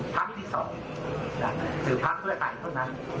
ภาคที่สองที่หรือภาคเพื่อไทยตัวนั้น